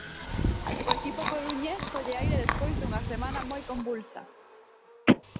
O equipo coruñés colle aire despois dunha semana moi convulsa.